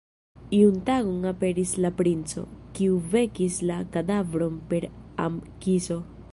Iun tagon aperis la Princo, kiu vekis la kadavron per am-kiso.